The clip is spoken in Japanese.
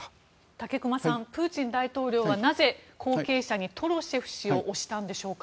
武隈さんプーチン大統領はなぜ、後継者にトロシェフ氏を推したんでしょうか。